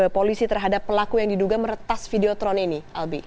polisi terhadap pelaku yang diduga meretas videotron ini albi